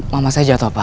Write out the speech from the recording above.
mama saya jatuh pak